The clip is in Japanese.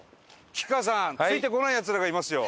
吉川さんついてこないヤツらがいますよ。